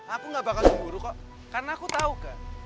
aku gak bakal semburu kok karena aku tau kek